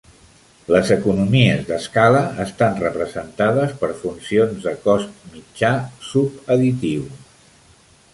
Les economies d'escala estan representades per funcions de cost mitjà subadditiu.